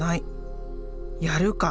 やるか。